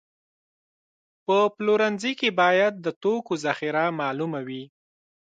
په پلورنځي کې باید د توکو ذخیره معلومه وي.